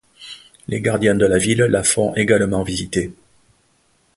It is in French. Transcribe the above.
Les gardiens de la ville la font également visiter.